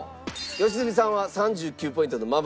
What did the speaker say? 良純さんは３９ポイントのまま。